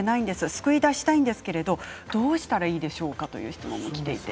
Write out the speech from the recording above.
救い出したいのにどうしたらいいんでしょうか？という質問です。